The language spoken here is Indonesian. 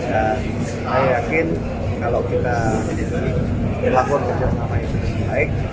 saya yakin kalau kita melakukan kerja sama itu lebih baik